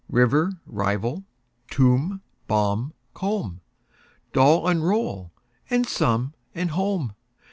River, rival; tomb, bomb, comb; Doll and roll and some and home.